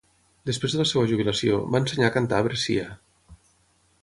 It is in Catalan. Després de la seva jubilació, va ensenyar a cantar a Brescia.